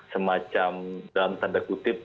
semacam dalam tanda kutip